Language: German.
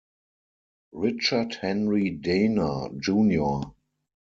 Richard Henry Dana, Jr.